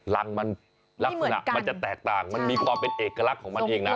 รังมันลักษณะมันจะแตกต่างมันมีความเป็นเอกลักษณ์ของมันเองนะ